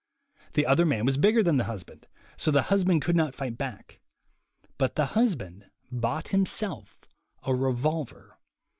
The other man was bigger than the husband, so the husband could not fight back. But the husband bought himself a revolver.